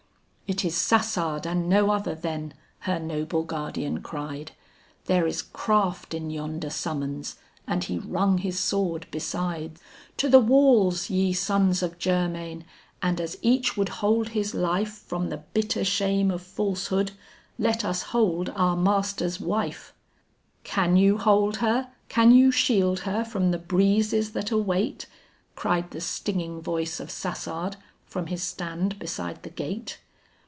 "It is Sassard and no other then," her noble guardian cried; "There is craft in yonder summons," and he rung his sword beside. "To the walls, ye sons of Germain! and as each would hold his life From the bitter shame of falsehood, let us hold our master's wife." "Can you hold her, can you shield her from the breezes that await?" Cried the stinging voice of Sassard from his stand beside the gate.